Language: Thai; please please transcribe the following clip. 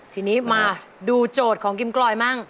ทีนี้มาดูโจทย์ของกิมกลอยมั่ง